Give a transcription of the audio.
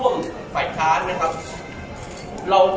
เรายังมีความประสงค์ที่อยากจะตั้งกรรมติการ